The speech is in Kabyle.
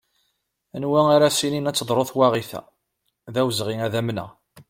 Anwa ara as-yinin ad teḍru twaɣit-a, d awezɣi ad amneɣ.